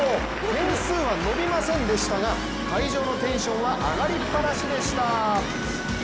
点数は伸びませんでしたが会場のテンションは上がりっぱなしでした。